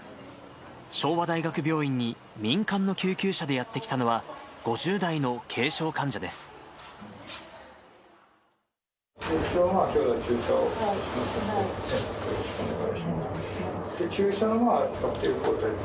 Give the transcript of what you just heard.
昭和大学病院に民間の救急車でやって来たのは、５０代の軽症患者です。